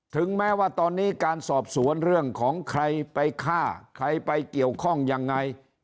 ถึงแม้ว่าตอนนี้การสอบสวนเรื่องของใครไปฆ่าใครไปเกี่ยวข้องยังไง